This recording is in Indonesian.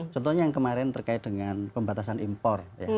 contohnya yang kemarin terkait dengan pembatasan impor